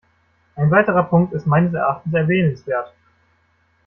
Ein weiterer Punkt ist meines Erachtens erwähnenswert.